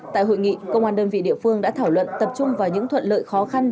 tại hội nghị công an đơn vị địa phương đã thảo luận tập trung vào những thuận lợi khó khăn